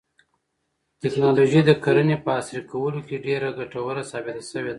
تکنالوژي د کرنې په عصري کولو کې ډېره ګټوره ثابته شوې ده.